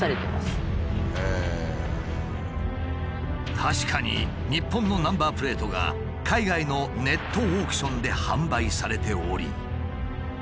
確かに日本のナンバープレートが海外のネットオークションで販売されており。